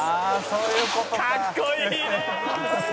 「かっこいいねえ！」